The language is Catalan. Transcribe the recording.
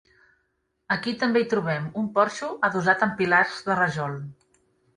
Aquí també hi trobem un porxo adossat amb pilars de rajol.